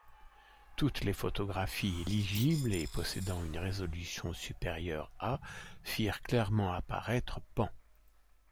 Toutes les photographies éligibles et possédant une résolution supérieure à firent clairement apparaître Pan.